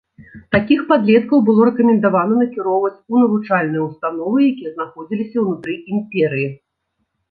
Такіх падлеткаў было рэкамендавана накіроўваць у навучальныя ўстановы, якія знаходзіліся ўнутры імперыі.